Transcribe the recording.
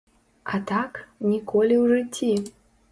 А так, ніколі ў жыцці!